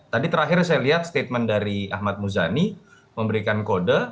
tadi terakhir saya lihat statement dari ahmad muzani memberikan kode